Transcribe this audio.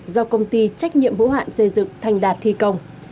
do công ty trách nhiệm hữu hạn xây dựng thành đạt thi công